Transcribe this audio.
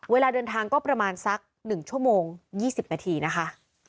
เวลาเดินทางก็ประมาณสัก๑ชั่วโมง๒๐นาทีนะคะ